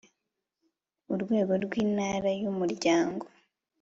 urwego rw Intara y Umuryango